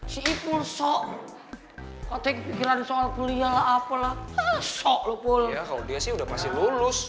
siipul sok otek pikiran soal kuliah apelah solo polo dia sih udah pasti lulus